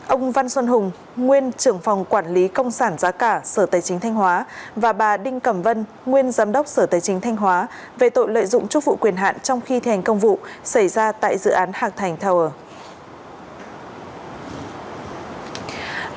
ông văn xuân hùng nguyên trưởng phòng quản lý công sản giá cả sở tài chính thanh hóa và bà đinh cẩm vân nguyên giám đốc sở tài chính thanh hóa về tội lợi dụng chức vụ quyền hạn trong khi thi hành công vụ xảy ra tại dự án hạc thành tower